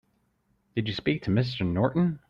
Did you speak to Mr. Norton?